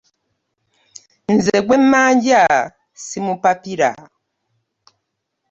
Nze gwe mmanja ssimupapira.